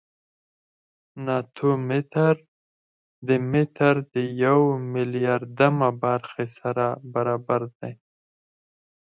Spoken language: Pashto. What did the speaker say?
ناتو متر د متر د یو میلیاردمه برخې سره برابر دی.